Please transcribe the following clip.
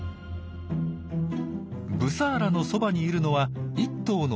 ブサーラのそばにいるのは１頭の若オスだけ。